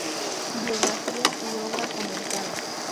Biografía y obra comentada.